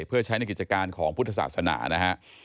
จึกใช้อาณาคิดการณ์ของพุทธศาสนานะครับ